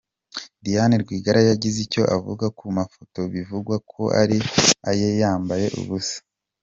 Diane Rwigara yagize icyo avuga ku mafoto bivugwa ko ari aye yambaye ubusa.